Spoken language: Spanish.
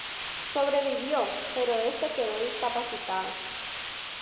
Sobrevivió pero este quedó discapacitado.